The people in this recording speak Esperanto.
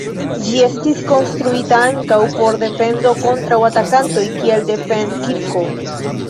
Ĝi estis konstruita ankaŭ por defendo kontraŭ atakantoj, kiel defend-kirko.